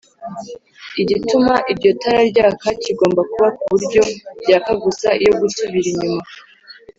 Igituma iryo tara ryaka kigomba kuba ku buryo ryaka gusa iyo gusubira inyuma